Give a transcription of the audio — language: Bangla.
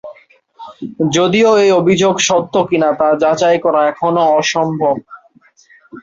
যদিও এই অভিযোগ সত্য কি-না তা যাচাই করা এখনও অসম্ভব।